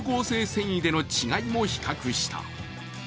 繊維での違いも比較した。